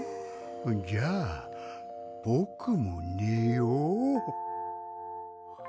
じゃあぼくもねよう。